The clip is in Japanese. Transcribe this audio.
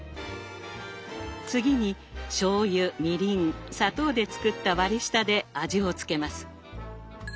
次にしょうゆみりん砂糖で作った割り下で味をつけます。